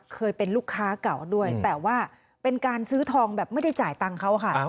เคยเป็นลูกค้าเก่าด้วยแต่ว่าเป็นการซื้อทองแบบไม่ได้จ่ายตังค์เขาค่ะ